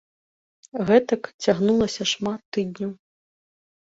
Гэтак цягнулася шмат тыдняў.